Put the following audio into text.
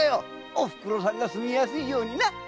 お袋さんが住みやすいようにな！